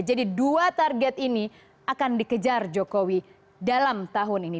jadi dua target ini akan dikejar jokowi dalam tahun ini